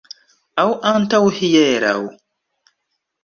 Aŭ antaŭhieraŭ.